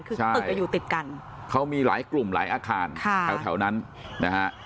คือตึกจะอยู่ติดกันเขามีหลายกลุ่มหลายอาคารค่ะแถวแถวนั้นนะฮะ